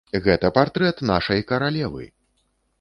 Гэта партрэт нашай каралевы!